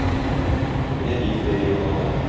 Менә дию пәрие хаты.